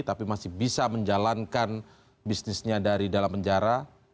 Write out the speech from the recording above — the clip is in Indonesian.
tapi masih bisa menjalankan bisnisnya dari dalam penjara